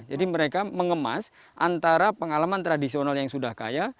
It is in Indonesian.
jadi mereka mengemas antara pengalaman tradisional yang sudah kaya